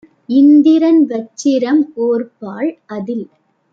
இந்திரன் வச்சிரம் ஓர்பால் - அதில்